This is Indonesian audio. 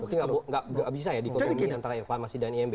bukankah nggak bisa ya dikonfirmasi antara reklamasi dan imb